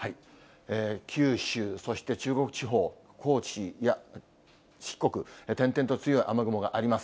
九州、そして中国地方、高知や四国、点々と強い雨雲があります。